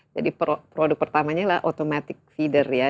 jadi produk pertamanya adalah automatic feeder ya